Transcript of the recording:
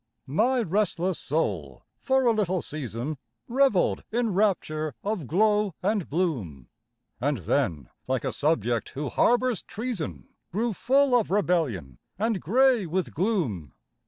My restless soul for a little season Revelled in rapture of glow and bloom, And then, like a subject who harbours treason, Grew full of rebellion and grey with gloom.